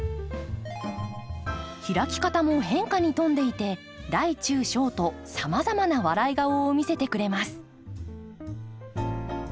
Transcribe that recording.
開き方も変化に富んでいて大中小とさまざまな笑い顔を見せてくれます。